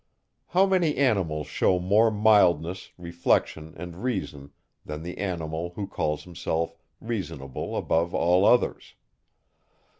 How many animals shew more mildness, reflection, and reason, than the animal, who calls himself reasonable above all others?